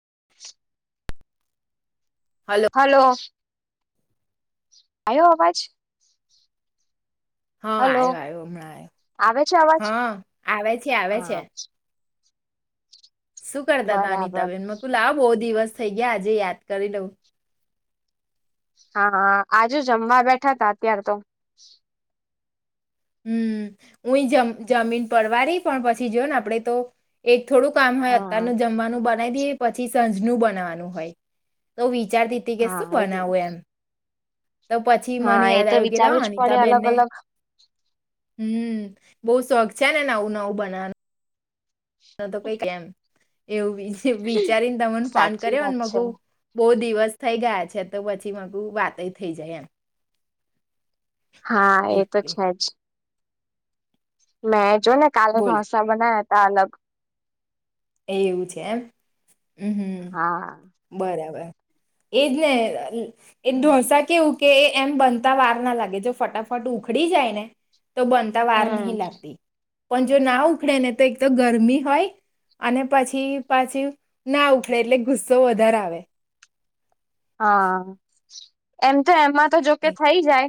[unintelligible] Hello આવયો અવાજ હા, હલો આવ્યો આવ્યો હમણાં આવ આવે છે અવાજ હા આવે છે આવે છે. હા શું કરતા હતા બરાબર અનિતાબેન મ કુ લાવ બહ દિવસ થઈ ગયા આજે યાદ કરી લઉં, હા, આજુ જમવા બેઠા હતા અત્યારે તો હમ હું જમ જમીન પડવા રહી પણ પછી જો ને આપડે તો એક થોડું કામ હોય હા અત્યારનું જમવાનું, પછીજ બનાવાનું હોય, તો વિચાર દીતી કે શું? હા એ બનાવું એમ, તો પછી મને હા એ યાદ તો આવુ લાવ વિચારવું જ પડે અનિતાબેન અલગ ને અલગ હમ બહુ શોખ છે, ને નવું નવું બનાવાનું ના તો કઈ કેમ એવું વિચારીને તમેને ફોન સાચી કર્યોને વાત મગ છે બહ દિવસ થઈ ગયા છે તો પછી મકુ વાતય થઇ જાય એમ હા એ તો એટલે છે જ મે જો ને કાલે ઢોસા બનાયાતા તાલક એ એવું છે એમ હમ હા હમ બરાબર એજને એ ઢોસા કે ઉ કે એ એમ બનતા વાર ના લાગે જો ફટાફટ ઉખડી જાય ને તો બનતા વાર નહીં હમ લાતી પણ જો ના ઉખડે ને તો એક તોમ ગરમી હોય અને પછી પાછી ના ઉખડે એટલે ગુસ્સો વધારે આવે હા એમ તો એમાં તો જોકે થઈ જાય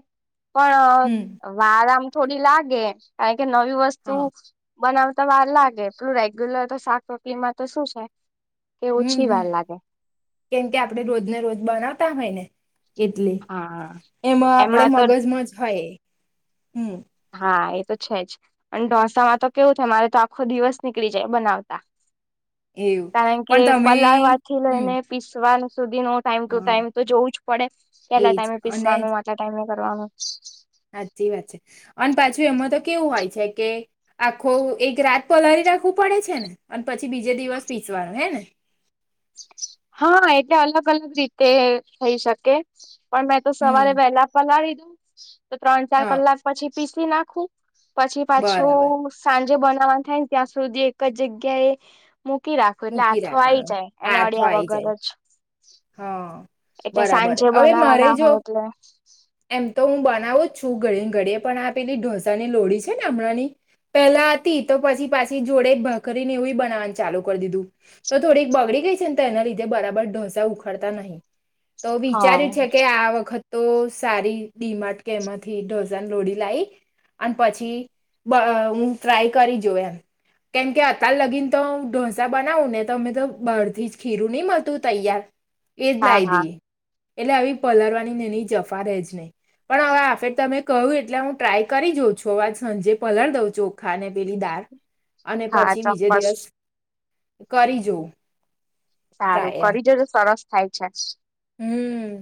પણ હમ્મ અ વારામ થોડી લાગે કાઈ કે નવી વસ્તુ હા બનાવતા વાર લાગે એટલું રેગ્યુલર તો શાક રોટલી માં તો શું છે કે હમ ઓછી હમ વાર લાગે કેમ કે આપડણે રોજને રોજ બનાવતા હોય ને એટલે હા એમાં આપડે મગજ મજ હોય હમ હા એ તો છે જ અને ઢોસામાં તો કેવું થાય મારે તો આખો દિવસ નીકળી જાય બનાવતા એવું કારણ કે પણ તમે પલાળવાથી હમ લઈને પીસવાનું સુધી નો ટાઈમ ટુ હા ટાઈમ તો જોવું જ પડે એના એજ ટાઈમે અને પીસવાનું આટલા ટાઈમે કરવાનું સાચી વાત છે અને પાછું એમાં તો કેવું હોય છે કે આખો એક રાત પલાળી રાખવું પડે છે ને અને પછી બીજે દિવસ પીસવાનુ હે ને હા એટલે અલગ અલગ રીતે થઇ શકે પણ મેં તો હમ સવારે વહેલા પલાળી દીઘુ [inaudible] ત્રણ ચાર હા કલાક પછી પીસી નાખું પછી બરાબર પાછું સાજ જો બનાવવાનું થાય ને ત્યાં સુધી એક જગ્યાએ મૂકી રાખું એટલે મૂકી આથો આઈ રાખવાનું જાય. એને આથો અડ્યા આઈ વગર જાય જ હા એટલે બરાબર સાંજે હવે મારે બનાવાના જો હોય એટલે એમ તો હું બનાવું જ છું ઘડીએ ને ઘડીએ પણ આ પેલી ઢોસા ની લોડી છે ને હમણાં ની પેલા હતી તો પછી પાછી જોડે ભખરી ને એવું બનાવવા ચાલુ કરી દીધું. તો થોડીક બગડી ગઈ છે ને તો એના લીધે બરાબર ઢોસા ઉખાડતા નહી. તો હા વિચાર્યું છે કે આ વખત તો સારી ડીમાટ કે એમાંથી ઢોસાન લોડી લઈ અને પછી બા હું ટ્રાય કરી જો એમ કેમકે અતાર લગીને તો ડોસ સા બનાવું ને તો અમે તો બહથી જ ખીરું નહી મળતું તૈયાર એજ હા લાઇ દે. હા એટલે આવી પલળવાની એની જફા રહે જ નહીં પણ હવે આ ફેર તમે કહ્યું એટલે હું ટ્રાય કરી જોવું છુ આજ સાંજે પલાળ દઉં ચોખા ને પેલી દાર અને હા પછી બીજે ચોક્કસ દિવસ કરી જો. સારું કરી જજો સરસ થાય છે. હમ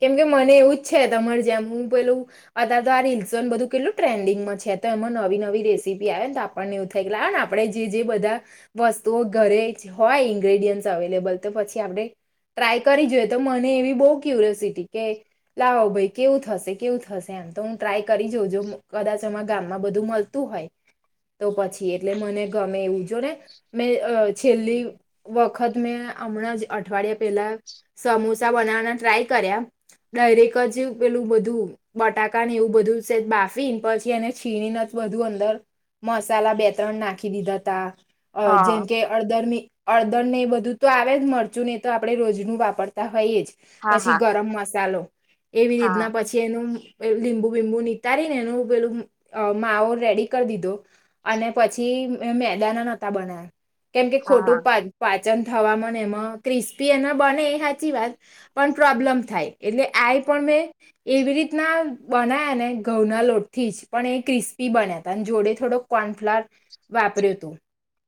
કેમકે મને એવું જ છે તમારે જેમ હું પેલું અત તો આ રીલ્સન બધું કેટલું ટ્રેન્ડિંગમાં છે, તો એમાં નવી નવી રેસીપી આવેને તો આપણને એવું થાય કે લાગે ને આપણે જે જે બધા, વસ્તુઓ ઘરે હોય ઇન્ગ્રેડિયન્ટ અવેલેબલ તો પછી આપણે ટ્રાય કરી જોઈએ. તો મને એવી બહ ક્યુરિયોસિટી કે લાવો ભાઈ કેવું થશે કેવું થશે એમ તો હું ટ્રાય કરી જાઉંજ કદાચ અમા ગામમાં બધું મળતું હોય. તો પછી એટલે મને ગમે એવું. જોને, મેં છેલ્લી વખત મેં હમણાં જ અઠવાડિયા પેલા સમોસા બનાવવાના ટ્રાય કર્યા ડાયેક જ પેલું બધું બટાકા ને એવું બધું છે, બાફીને પછી એને છીણીને બધું અંદર, મસાલા બે ત્રણ નાખી દીધા તા. અ હા જેમ કે અડદરમી અળદર ને એ બધું તો આવે જ મરચું નહી તો આપડણે રોજનું વાપર ત હોઈ જ હા પછી હા ગરમ મસાલો. એવી હા રીતના પછી એનું લીંબુ બીંબુ નીતારીને એનું પેલું માવ રેડી કરી દીધો, અને પછી મે મેદાના નહોતા બના્યા. કેમ કે હા ખોટું પાચન થવા એમાં ક્રિસ્પી એ બને સાચી વાત, પણ પ્રોબ્લેમ થાય એટલે આ પણ મેં એવી રીતના બના્યા ને ઘઉંના લોટ થી જ પણ એ ક્રિસ્પી બન્યા ત અને જોડે થોડોક કોર્નફ્લાર, વાપર્યું હતું.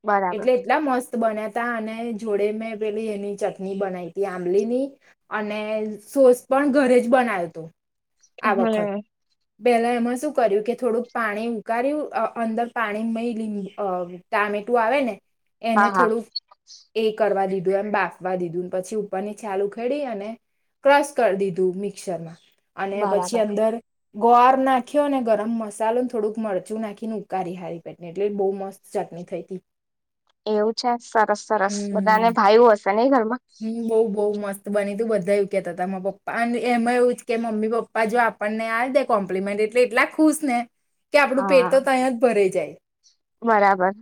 બરાબર એટલે એટલા મસ્ત બન્યા ત અને જોડે મેં પેલી એની ચટણી બનાઈતી. ફમલીની, અને સોસ પણ ઘરે જ બનાયો હતો. આ વખત હમ. પેલા એમાં શું કર્યું કે થોડુંક પાણી ઉકાર્યું અંદર પાણીમાંય લીંબ ટામેટું આવે ને. એને હા હા થોડુંક એ કરવા દીધું. એમ બાફવા દીધું પછી પનીર ચાલુ ખેડી અને, ક્રશ કરી દીધું મિક્સરમાં. અને પછી બરાબર અંદર ગોવાર નાખ્યો અને ગરમ મસાલો ન થોડુંક મરચું નાખીન ઉકારી હારી પેટને એટલે બહુ મસ્ત ચટણી થઈતી. એવું છે સરસ સરસ, બધાને ભાયુ હશે નઈ ઘરમાં. બઉ બઉ મસ્ત બની તું બધા એવું કેતાતા મા પપ્પા અને એમાં એવું કે મમ્મી પપ્પા જો આપણને આ દે કોમ્પ્લિમેન્ટ એટલે એટલા ખુશ ને. કે આપડું પેટ હા તો તય જ ભરઈ જાય. બરાબર.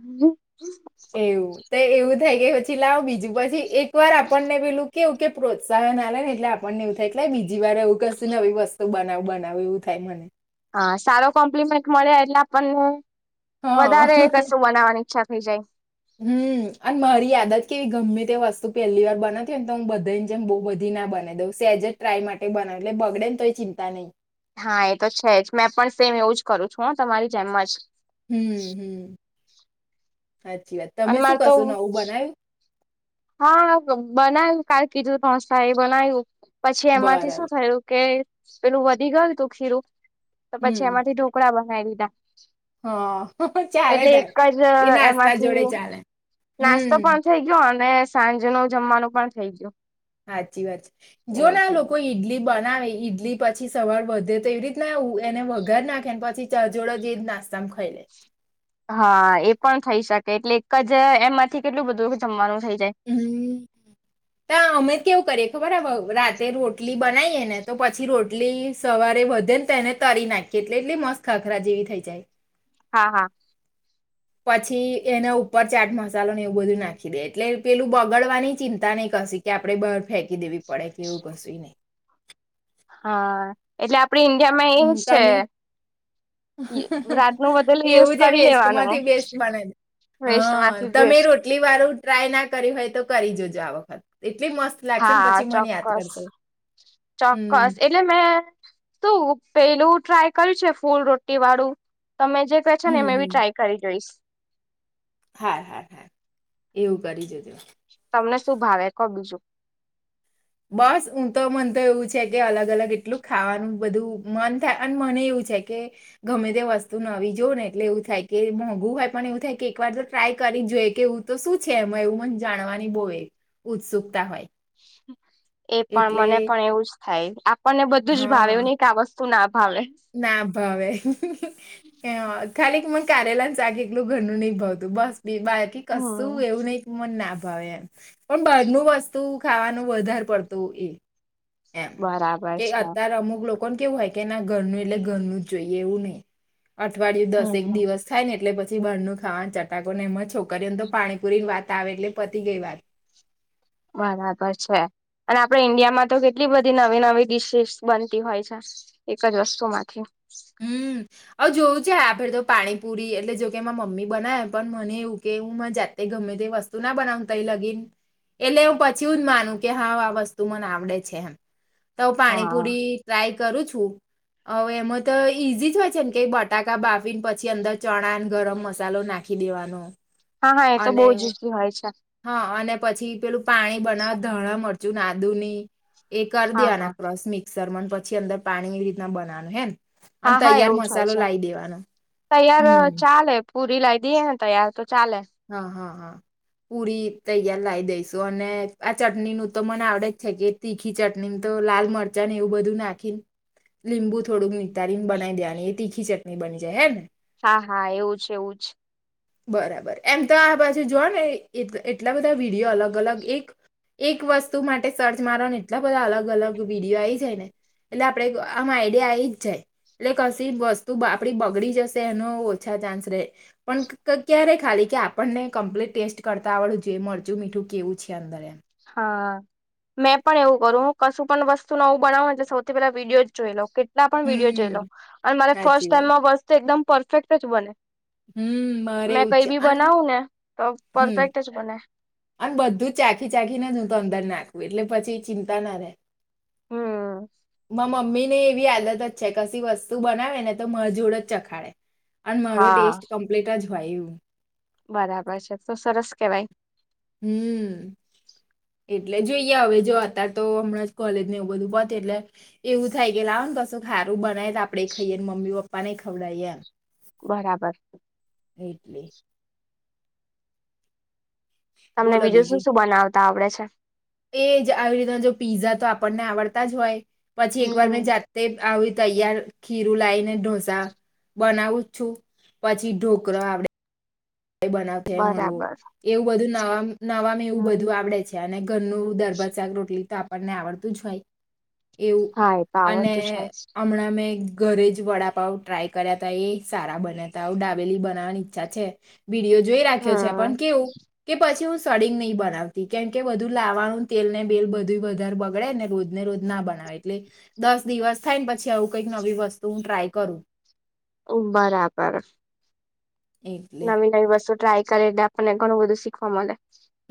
એવું તો એવું થાય કે પછી લાવ બીજું પછી એક પનને પેલું કેવું કે પ્રોત્સાહન આલન એટલે આપણને એવું થાય એટલે બી જીવા રે એવું કશું નવી વસ તો બનાવ બનાવ એવું થાય મને. હા, સારો કોમ્પ્લિમેન્ટ મળે એટલે આપણને હા વધારે કશું બનાવવાની ઈચ્છા હું જઉં. હમ, અન મારી આદત કેવી ગમે તે વસ્તુ પેલી વાર બનાતી હોય ન તો હું બધાને જેમ બહુ બધી ના બનાઈ દઉં સેજ જ ટ્રાય માટે બનાવી એટલે બગડે ન તો એ ચિંતા નહીં. હા, એ તો છે જ મેં પણ સેમ એવું જ કરું છું તમારી જેમ જ. હમ હમ. સાચી વાત, તમે અને શું મારે તો કશું નવું બનાયુ? હા, બનાય કાર કીધુ પહોચતા એ બનાયુ પછી એમાંથી બરાબર શું થયું કે પેલું વધી ગયુ તું ખીરો. તો પછી હમ એમાંથી ઢોકળા બ ના એટલ દા હા ચાલે એટલે એક તાર જ એ નાસ્તા જોડે એમાંથી ચાલે નાસ્તો હમ પણ થઇ ગ્યો અને સાંજનું જમવાનું પણ થઇ ગ્યો. સાચી વાત છે, જોને આ લોકો ઈડલી બ ના ઈ ઈડલી પછી સવાર વધે તો એવી રીતના એને વઘાર નાખેન પછી ચા જોડ જે નાસ્તામાં ખઈલે. હા, એ પણ થઈ શકે એટલે એક જ એમાંથી કેટલું બધું જમવાનું થઈ જાય હમ, ત અમે કેવું કરીએ તો બરાબઉ રાતે રોટલી બનાઈએ ને તો પછી રોટલી સવારે વધેન તો એને તરી નાખીએ એટલે એટલી મસ્ત ખાખરા જેવી થઈ જાય. હા હા. પછી એના ઉપર ચાટ મસાલો ને એવું બધું નાખી દે એટલે પેલું બગાડવાની ચિંતા નહી કશી કે આપડે બાર ફેંકી દેવી પડે કે એવું કસુય નહી. હા એટલે આપડ ઇન્ડિયામાં હમ એઇમ્સ છે. તમે રાતનું બધેલું યુઝ એવું છે કરી બેસ્ટમાંથી લેવાનું બેસ્ટ છે, વેસ્ટ હ માંથી તમે બેસ્ટ રોટલી વાળું ટ્રાય ના કરી હોય તો કરી જજો આ વખત. એટલી મસ્ત લાગશે ને હા પછી મને યાદ ચોક્કસ, કરશે હમ ચોક્કસ એટલે મેં શું પેલું ટ્રાય કર્યું છે ફૂલ રોટી વાળું. તમે જે કહે છો ને હમ એમે બી ટ્રાય કરી જોઈશ. હા હા હા એવું કરી જોજે. તમને શું ભાવે કો બીજું? બસ હું તો મન તો એવું છે કે અલગ અલગ એટલું ખાવાનું બધું મન થાય અને મને એવું છે કે ગમે તે વસ્તુ નવી જોઉ ને એટલે એવું થાય કે મોંઘું હોય પણ એવું થાય કે એક વાર તો ટ્રાય કરી જોઈએ કે, એું તો શું છે એમાં એવું મને જાણવાની બહુ એ ઉત્સુકતા હોય. [inaudible] એ પણ એટલે મને પણ એવું જ. થાય. પણને બધું જ ભાવે હા નને આ વ સુ ના ભાવે ના ભાવે. હ ખાલી કે મસ્ કારેલાનું સાક એટલું ઘરનું નહં ભાવતું બસ. બાકી હમ કશું એવું નહિ મને ના અવ એમ, પણ બારનું વસ્તુ ખાવાનું વધારે પડતું એ. એમ, બરાબર કે છે અત્યારે અમુક લોકો કોણ કેવું હોય કે ના ઘરનું એટલે ઘરનું જ જોઈએ એવું નહી. અઠવાડિયું દસ એક હમ દિવસ થાય ને એટલે પછી ભરનું ખાવાનું ચટાકો ને એમાં છોકરીને તો પાણીપુરી ની વાત આવે એટલે પતી ગઈ વાત. બરાબર છે, અને આપડ ઈન્ડિયામાં તો કેટલી બધી નવી નવી ડિશિસ બનતી હોય છે એક જ વસ્તુ માંથી. હમ. હ જોયું છે આપે તો પાણીપુરી એટલે જો કે મમ્મી બનાવે પણ મને એવું કે હુંને જાતે ગમે તે વસ્તુ ના બનાવ ત એ લગીન, એટલે હ પછી જ માનું કે હા આ વસ્તુ મને આવડે છે એમ. તો હ પાણી હા પુરી ટ્રાય કરું છું. એમ જ તો ઈઝી જ હોય છે ને કે બટાકા બાફીને પછી અંદર ચણા ગરમ મસાલો નાખી દેવાનો. હા હા એ તો બહુ અને જ ઈઝી હોય છે હા અને પછી પેલું પાણી બનાવવા ધણા મળતા જુ આદુની. એ કર હા દેના હા ક્રોસ મિક્સર મ પ પછી અંદર પાણીની રીતના બનાવાનું હ ને. હા હા એવું જ હોય છે, તૈયાર હમ ચાલે. પૂરી લાઈ દ એ તૈયાર તો ચાલે હા હા હા પૂરી તૈયાર લાવ દઈશ. તો અને આ ચટણી નું તો મને આવડે જ છે કે તીખી ચટણી તો લાલ મરચા ને એવું બધું નાખીને, લીંબુ થોડુંક મી તન બનાઈ દેવાની. તીખી ચટનીણી બની જાય હૈ ને. હા હા એવું છે એવું જ. બરાબર એમ તો આ બાજુ જોઓ ને એટલા બધા વિડીયો અલગ અલગ એક એક વસ્તુ માટે સર્ચ મારોવા ને એટલા બધા અલગ અલગ વિડીિયો આ જાય ને એટલે આપણે આમ આઈડિયા આવી જ જાય એટલે કશી વસ્તુ આપડી બગડી જશે એનો ઓછા ચાન્સ રહે પણ ક્યારે ખાલી કે આપણને કમ્પ્લીટ ટેસ્ટ કરતા આવડું જે મરચું મીઠું કેવું છે અંદર. હા, મેં પણ એવું કરું કશું પણ વસ્તુ નવું બનાવ એટલે સૌથી પેલા વિડીયો જ જોઈ લઉ. કેટલા પણ વિડીયો જોઈ લો, હમ અને મારે ફર્સ્ટ સાચી વાત ટાઈમમાં વસ્ત એકદમ પરફેક્ટ અ જ બને. હમ મારે મેં એવું જ કઈ છે ભી અન બનાવું ને તો હમ પરફેક્ટ જ બને. અને બધું ચાખી ચાખીને જ હું તો અંદર નાખું એટલે પછી ચિંતા ના રહેે. હમ મા મ્મી ને એવી આદત જ છે કશી વસ્તુ બનાવે ને તો મજોડ જ ચખાડે. અને મારો હા ટેસ્ટ કમ્પ્લીટ જ હોય એવું. બરાબર છે તો સરસ કેવાય. હમ એટલે જોઈએ હવે જો અતાર તો હમણાં કોલેજને એવું બધું પતે, એટલે એવું થાય કે લાવ ને કશું સારું બનાય આપડે ખાઈએમ મ્મીપાપા પને ખવડા એ એમ. બરાબર. ઈટલી. તમને બીજું શું શું બનાવત આવડે છે? એજ આવી રીતના જો પીઝા તો આપણને આવડતા જ હોય. પછી એક વાર હમ મેં જાતે આવી તૈયાર ખીરું લાવને ઢોસા બનાવું છું, પછી ઢોકરો આવડે. બનાવ થ મળવું બરાબર એવું બધું ન નવામ એવું હમ બધું આવડે છે, અને ઘરનું દરબાજ શાક રોટલી તો આપ પણને આવડતું જ હોય. એવું હા એ તો અને આવડતું છે હમણાં મેં ઘરે જ વડાપાવ ટ્રાય કર્યા ત એ સારા બન્યા ત ડાબેલી બનાવવાની ઈચ્છા છે. વિડીયો જોઈ રાખ્યો છે પણ હમ કેવું કે પછી હું સડીંગ નહી બનાવતી કેમ કે બધું લાવવાનું તેલ ને બેલ બધું વધારે બગડેને રોજ ને રોજ ના બનાવે એટલે, દસ દિવસ થાય ને પછી આવું કઈક નવી વસ્તુ હું ટ્રાય કરું. ઓ બરાબર. એટલે નવી નવી વસ્તુ ટ્રાય કરે એટલે આપણને ઘણું બધું શીખવા મળે.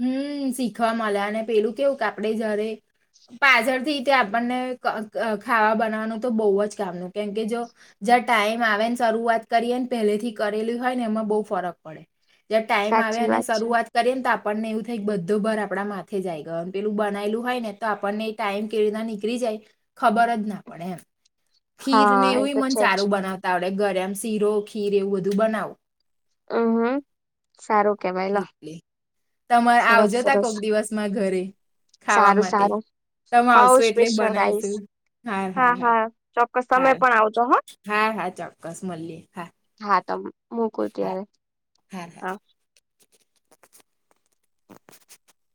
હમ [unintelligible] જ ટાઈમ આવે સાચી અને વાત છે શરૂઆત કરીએને આપ [unintelligible] ખબર જ ના પડે, એમ ખીરને હા એ એવું તો મન છે જ સારું બનાવતા આવડે ગરમ શીરો ખીર એવું બધું બનાવુ. હમ હમ સારું. કેવાય લો એટલે. તમારે સરસ આવજોતા સરસ કોક દિવસમાં ઘરે ખાવા સારું માટે, સારું તમે હવ આવશો એટલે સ્પેશિયલ રાઈસ બનાવીશું, હા હાર હાર. હા ચોક્કસ તમે હારુ, પણ આવજો હ હા, હા, ચોક્કસ મલીએ હા ખાતમ મૂકું હા હા ત્યારે, હા [unintelligible]